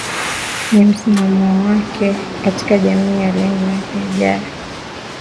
Na msimamo wake katika jamii ya leo na ijayo